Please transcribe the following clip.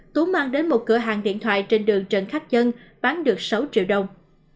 tú mang đến một cửa hàng điện thoại trên đường trần khắc dân bán được sáu triệu đồng